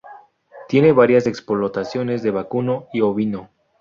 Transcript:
Tiene varias explotaciones de vacuno y ovino.